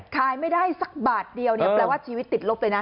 ขายไม่ได้สักบาทเดียวเนี่ยแปลว่าชีวิตติดลบเลยนะ